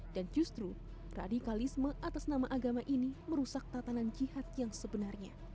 dan justru radikalisme atas nama agama ini merusak tatanan jihad yang sebenarnya